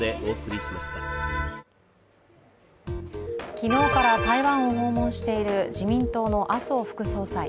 昨日から台湾を訪問している自民党の麻生副総裁。